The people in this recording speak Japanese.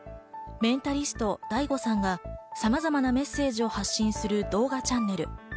メンタリストＤａｉＧｏさんが、さまざまなメッセージを発信する動画チャンネル。